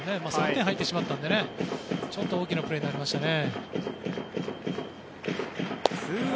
３点入ってしまったので大きなプレーになりましたね。